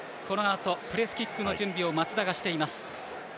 プレースキックの準備を松田がしています。